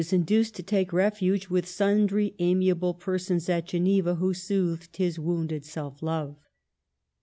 1 69 induced to take refuge with sundry amiable per sons at Geneva who soothed his wounded self love.